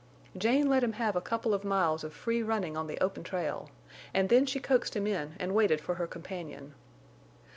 Jane let him have a couple of miles of free running on the open trail, and then she coaxed him in and waited for her companion.